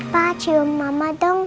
pak cium mama dong